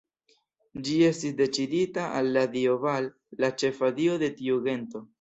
Ĝi estis dediĉita al la dio Baal, la ĉefa dio de tiu gento.